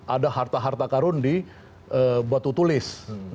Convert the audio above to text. ada harta harta karun di batu tulis